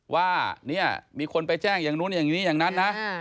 ว่าเนี่ยมีคนไปแจ้งอย่างนู้นอย่างนี้อย่างนั้นนะ